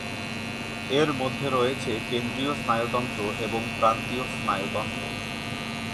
এর মধ্যে রয়েছে কেন্দ্রীয় স্নায়ুতন্ত্র এবং প্রান্তীয় স্নায়ুতন্ত্র।